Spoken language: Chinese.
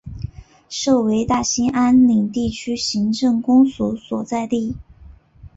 设为大兴安岭地区行政公署所在地。